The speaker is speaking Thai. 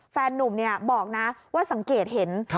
นุ่มบอกนะว่าสังเกตเห็น